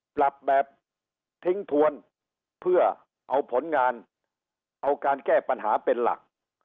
ปรับแบบทิ้งทวนเพื่อเอาผลงานเอาการแก้ปัญหาเป็นหลัก